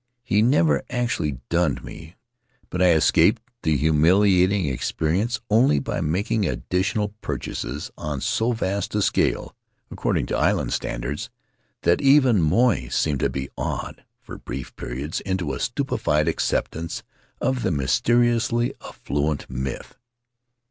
He never actually dunned me, but I escaped the humiliating experience only by making additional purchases on so vast a scale, according to island standards, that even Moy seemed to be awed, for brief periods, into a stupefied acceptance of the mysteriously affluent myth.